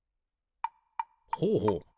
ほうほう。